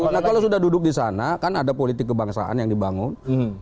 nah kalau sudah duduk di sana kan ada politik kebangsaan yang dibangun